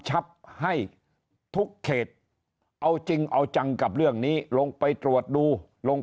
ชับให้ทุกเขตเอาจริงเอาจังกับเรื่องนี้ลงไปตรวจดูลง